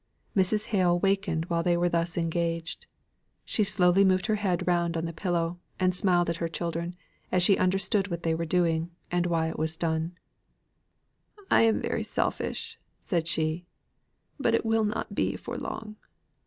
Mrs. Hale wakened while they were thus engaged; she slowly moved her head round on the pillow, and smiled at her children, as she understood what they were doing, and why it was done. "I am very selfish," said she; "but it will not be for long."